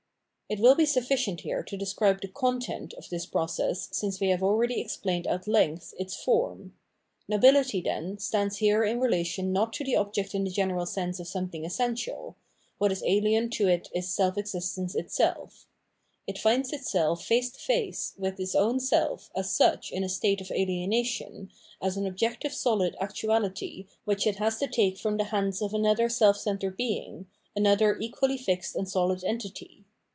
It wiU be s uffi cient here to describe the content of this process since we have already explained at length its form. Nobfiity, then, stands here in relation not to the object in the general sense of something essen tial ; what is ahen to it is seH existence itself. It finds itself face to face with its own self as such in a state of ahenation, as an objective sohd actuahty which it has to take from the hands of another self centred being, another equally fixed and sohd entity.